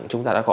chúng ta đã có